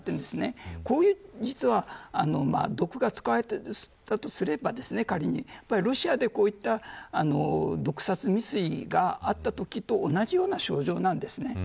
実はこういう毒が使われていたとすれば仮にロシアで、こういった毒殺未遂があったときと同じような症状なんです。